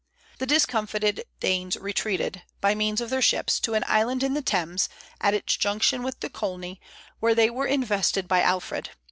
The discomfited Danes retreated, by means of their ships, to an island in the Thames, at its junction with the Colne, where they were invested by Alfred.